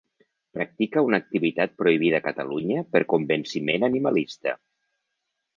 Practica una activitat prohibida a Catalunya per convenciment animalista.